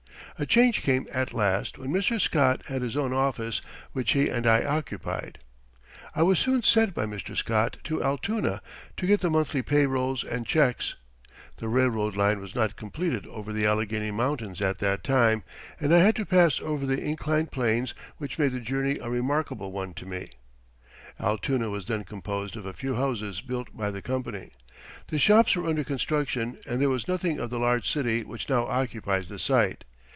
A change came at last when Mr. Scott had his own office which he and I occupied. I was soon sent by Mr. Scott to Altoona to get the monthly pay rolls and checks. The railroad line was not completed over the Allegheny Mountains at that time, and I had to pass over the inclined planes which made the journey a remarkable one to me. Altoona was then composed of a few houses built by the company. The shops were under construction and there was nothing of the large city which now occupies the site.